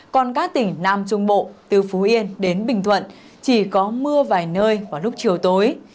còn các tỉnh nam trung bộ từ phú yên đến bình thuận chỉ có mưa vài nơi vào lúc chiều tối